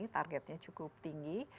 targetnya cukup tinggi